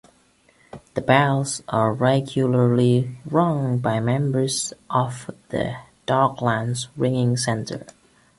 The bells are regularly rung by members of the Docklands Ringing Centre.